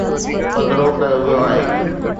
پڌرو ڪيو ويو آهي.